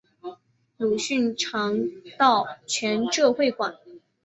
鲁迅常到全浙会馆。